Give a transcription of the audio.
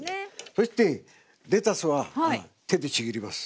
そしてレタスは手でちぎります。